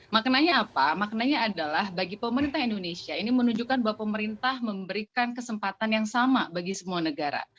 maknanya apa maknanya adalah bagi pemerintah indonesia ini menunjukkan bahwa pemerintah memberikan kesempatan yang sama bagi semua negara